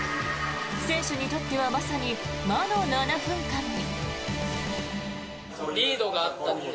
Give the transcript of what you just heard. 選手にとってはまさに魔の７分間に。